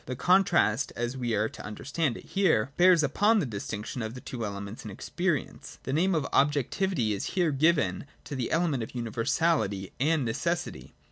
The contrast, as we are to understand it here, bears upon the distinction (see preceding §) of the two elements in experience. The name of objectivity is here given to the element of universality and necessity, i.